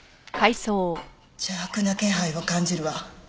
邪悪な気配を感じるわ。